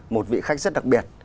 một vị khách rất đặc biệt